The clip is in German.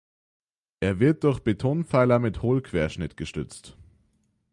Er wird durch Betonpfeiler mit Hohlquerschnitt gestützt.